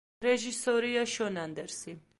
რეჟისორია შონ ანდერსი.